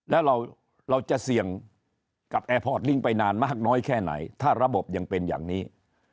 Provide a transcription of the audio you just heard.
แล้วเราจะเสี่ยงกับแอร์พอร์ตลิ้งไปนานมากน้อยแค่ไหนถ้าระบบยังเป็นอย่างนี้